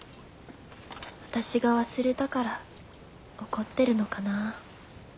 私が忘れたから怒ってるのかなぁ。